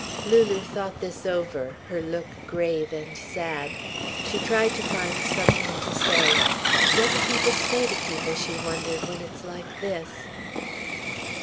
Lulu thought this over, her look grave and sad. She tried to find something to say. "What do people say to people," she wondered, "when it's like this?"